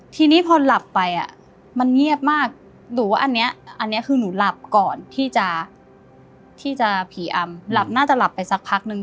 ทีนี้พอหลับไปอ่ะมันเงียบมากหนูว่าอันนี้อันนี้คือหนูหลับก่อนที่จะผีอำหลับน่าจะหลับไปสักพักนึง